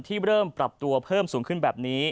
เริ่มปรับตัวเพิ่มสูงขึ้นแบบนี้